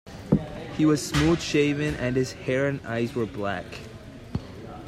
He was smooth-shaven, and his hair and eyes were black.